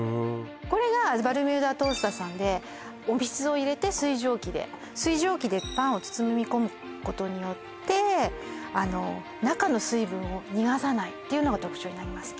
これがバルミューダトースターさんでお水を入れて水蒸気で水蒸気でパンを包み込むことによってあの中の水分を逃がさないっていうのが特徴になりますね